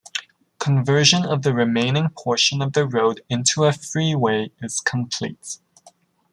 Conversion of the remaining portion of the road into a freeway is complete.